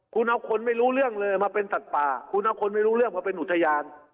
คุณเอาคนไม่รู้เรื่องเลยมาเป็นสัตว์ป่าคุณเอาคนไม่รู้เรื่องมาเป็นอุทยาน